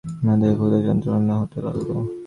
মাথায় ভোঁতা যন্ত্রণা হতে লাগল।